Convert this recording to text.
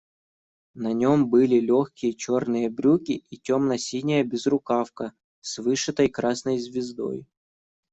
На нем были легкие черные брюки и темно-синяя безрукавка с вышитой красной звездой.